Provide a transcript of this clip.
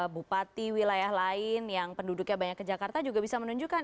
bupati wilayah lain yang penduduknya banyak ke jakarta juga bisa menunjukkan